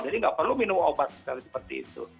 jadi tidak perlu minum obat sekali seperti itu